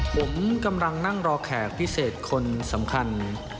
ผมกำลังนั่งรอแขกพิเศษคนสำคัญ